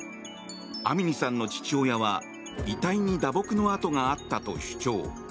アミニさんの父親は遺体に打撲の痕があったと主張。